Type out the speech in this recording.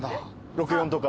６４とか？